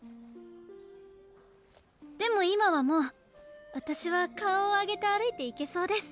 でも今はもうわたしは顔を上げて歩いていけそうです。